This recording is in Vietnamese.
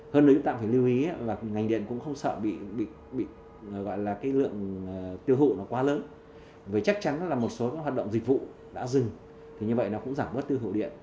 hơn nữa chúng ta cũng phải lưu ý là ngành điện cũng không sợ bị gọi là cái lượng tiêu thụ nó quá lớn vì chắc chắn là một số hoạt động dịch vụ đã dừng thì như vậy nó cũng giảm bớt tiêu thụ điện